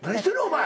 お前。